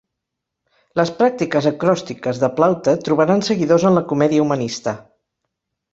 Les pràctiques acròstiques de Plaute trobaran seguidors en la comèdia humanista.